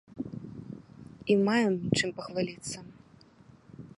І маем чым пахваліцца.